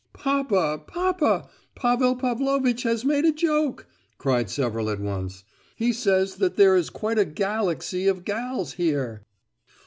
"Papa, papa, Pavel Pavlovitch has made a joke!" cried several at once: "he says that there is quite a 'galaxy of gals' here!"